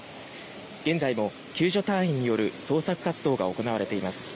現在も救助隊員による捜索活動が行われています。